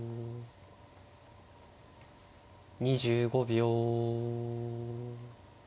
２５秒。